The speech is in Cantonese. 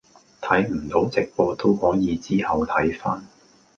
睇唔到直播都可以之後睇返。